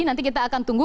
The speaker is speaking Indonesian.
nanti kita akan tunggu